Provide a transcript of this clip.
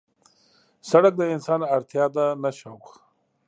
سړک د انسان اړتیا ده نه شوق.